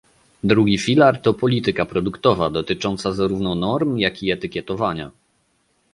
Drugi filar to polityka produktowa, dotycząca zarówno norm, jak i etykietowania